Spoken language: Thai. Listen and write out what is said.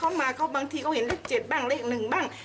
เขามาเขาบางทีเขาเห็นเลขเจ็ดบ้างเลขหนึ่งบ้าง